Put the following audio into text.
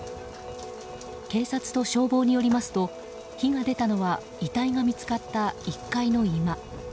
警察と消防によりますと火が出たのは遺体が見つかった１階の居間。